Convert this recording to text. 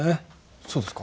そうですか？